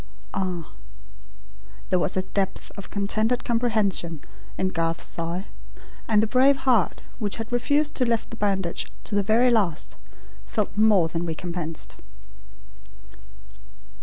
"Ah " There was a depth of contented comprehension in Garth's sigh; and the brave heart, which had refused to lift the bandage to the very last, felt more than recompensed.